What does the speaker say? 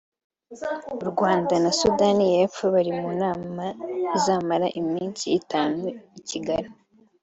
u Rwanda na Sudani y’Epfo bari mu nama izamara iminsi itanu i Kigali